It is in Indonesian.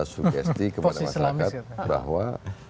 sugesti kepada masyarakat bahwa